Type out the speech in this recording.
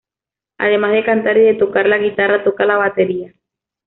Además de cantar y de tocar la guitarra, toca la batería.